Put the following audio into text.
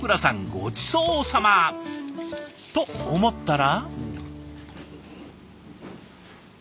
ごちそうさま！と思ったら。